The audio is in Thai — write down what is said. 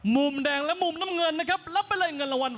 มุมแดงและมุมน้ำเงินนะครับรับไปเลยเงินรางวัล